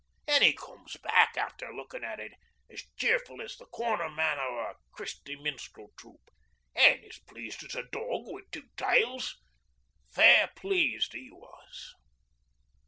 An' he comes back, after lookin' at it, as cheerful as the cornerman o' a Christie Minstrel troupe, an' as pleased as a dog wi' two tails. Fair pleased, 'e was.'